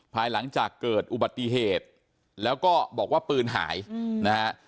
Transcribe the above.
ภายหลังจากเกิดอุบัติเหตุแล้วก็บอกว่าปืนหายนะฮะ